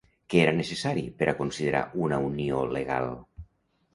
Què era necessari per a considerar una unió legal?